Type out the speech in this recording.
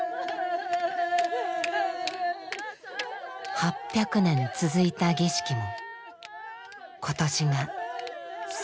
８００年続いた儀式も今年が最後。